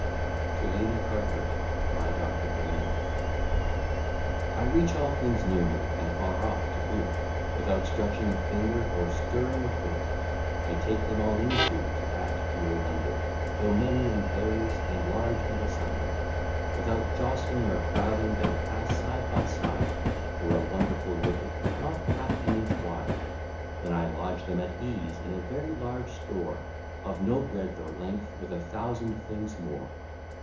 TO LADY CARTERET BY DR. DELANY I reach all things near me, and far off to boot, Without stretching a finger, or stirring a foot; I take them all in too, to add to your wonder, Though many and various, and large and asunder, Without jostling or crowding they pass side by side, Through a wonderful wicket, not half an inch wide; Then I lodge them at ease in a very large store, Of no breadth or length, with a thousand things more.